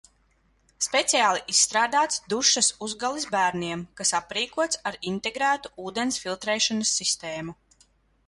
Speciāli izstrādāts dušas uzgalis bērniem, kas aprīkots ar integrētu ūdens filtrēšanas sistēmu